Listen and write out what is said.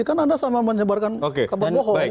kan anda sama menyebarkan kabar bohong